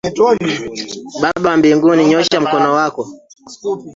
Baba wa mbinguni nyosha mkono wako.